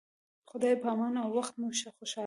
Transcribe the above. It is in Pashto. د خدای په امان او وخت مو خوشحاله